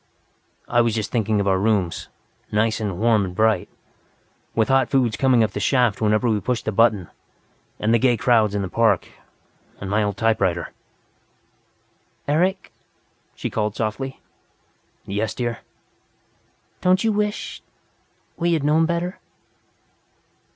"I was just thinking of our rooms, nice and warm and bright, with hot foods coming up the shaft whenever we pushed the button, and the gay crowds in the park, and my old typewriter." "Eric?" she called softly. "Yes, dear." "Don't you wish we had known better?"